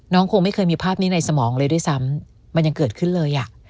คงไม่เคยมีภาพนี้ในสมองเลยด้วยซ้ำมันยังเกิดขึ้นเลยอ่ะ